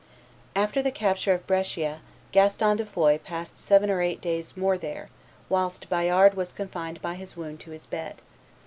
After the capture of Brescia, Gaston de Foix passed seven or eight days more there, whilst Bayard was confined by his wound to his bed.